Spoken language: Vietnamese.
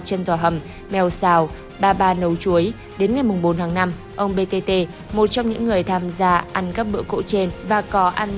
chân giò hầm mèo xào ba ba nấu chuối đến ngày bốn tháng năm ông btt một trong những người tham gia ăn các bữa cỗ trên